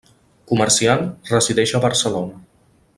Comerciant, resideix a Barcelona.